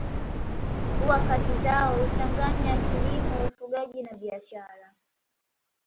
Huwa kazi zao huchachanganya kilimo ufugaji na biashara